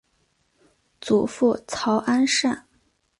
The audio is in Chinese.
祖父曹安善。